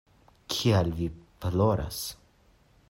Kial vi ploras?